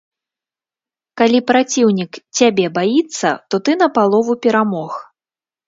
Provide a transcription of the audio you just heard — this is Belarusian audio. Калі праціўнік цябе баіцца, то ты напалову перамог.